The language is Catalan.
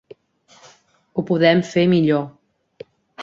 Ho podem fer millor.